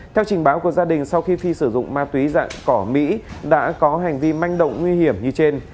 theo trình báo của gia đình sau khi phi sử dụng ma túy dạng cỏ mỹ đã có hành vi manh động nguy hiểm như trên